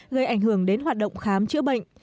gây ảnh hưởng đến hoạt động khám chữa bệnh